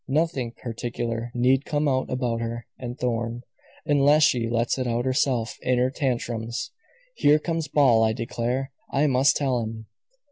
Nothing particular need come out about her and Thorn, unless she lets it out herself in her tantrums. Here comes Ball, I declare! I must tell him."